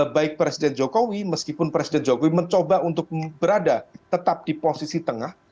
baik presiden jokowi meskipun presiden jokowi mencoba untuk berada tetap di posisi tengah